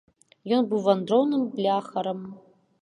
Ён быў вандроўным бляхарам.